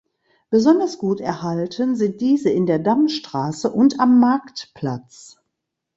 Besonders gut erhalten sind diese in der Dammstraße und am Marktplatz.